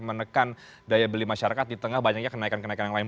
menekan daya beli masyarakat di tengah banyaknya kenaikan kenaikan yang lain